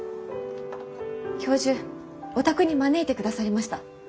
教授お宅に招いてくださりました。